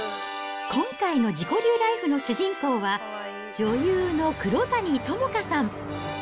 今回の自己流ライフの主人公は、女優の黒谷友香さん。